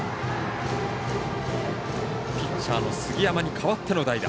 ピッチャーの杉山に代わっての代打。